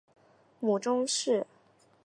母仲氏。